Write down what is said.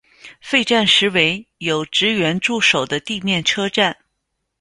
废站时为有职员驻守的地面车站。